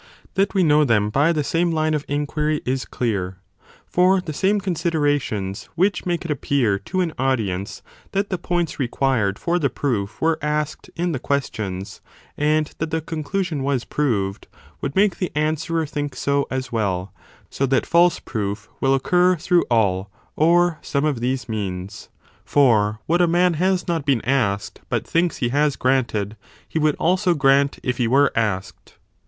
3 That we know them by the same line of inquiry is clear: for the same considerations which make it appear to an audience that the points required for the proof were asked in the questions and that the conclusion was proved, would make the answerer think so as well, so that false proof will occur through all or some of these means : for what a man has not been asked but thinks he has granted, he would 35 also grant if he were asked.